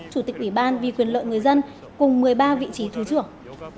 chủ tịch ủy ban vì quyền lợi người dân cùng một mươi ba vị trí thứ trưởng